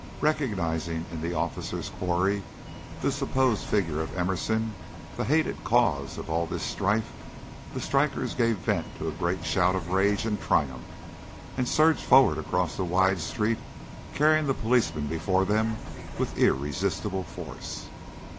Recognizing in the officers' quarry the supposed figure of Emerson, the hated cause of all this strife, the strikers gave vent to a great shout of rage and triumph, and surged forward across the wide street, carrying the police before them with irresistible force.